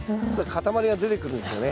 塊が出てくるんですよね。